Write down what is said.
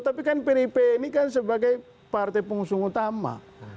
tapi kan pdip ini kan sebagai partai pengusung utama